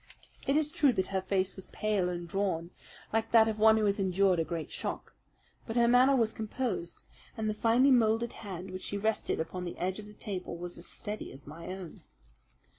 It is true that her face was pale and drawn, like that of one who has endured a great shock; but her manner was composed, and the finely moulded hand which she rested upon the edge of the table was as steady as my own.